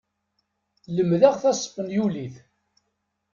Lemmdeɣ taspanyulit.